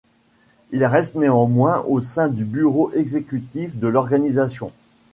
Il reste néanmoins au sein du bureau exécutif de l'organisation.